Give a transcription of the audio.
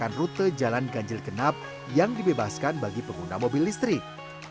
atau memiliki rezeki kebijakan rute jalan ganjil genap yang dibebaskan bagi pengguna mobil listrik